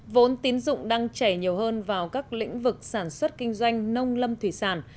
vốn tín dụng đang chảy nhiều hơn vào các lĩnh vực sản xuất kinh doanh nông lâm thủy sản